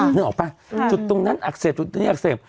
นึกออกป่ะจุดตรงนั้นอักเสบจุดตรงนี้อักเสบ